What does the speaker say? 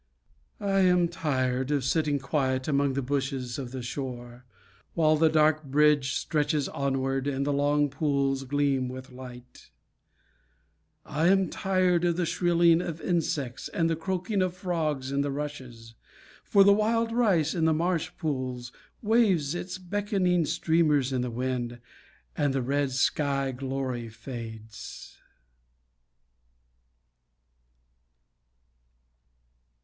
I am tired of sitting quiet Among the bushes of the shore, While the dark bridge stretches onward, And the long pools gleam with light; I am tired of the shrilling of insects And the croaking of frogs in the rushes, For the wild rice in the marsh pools Waves its beckoning streamers in the wind, And the red sky glory fades.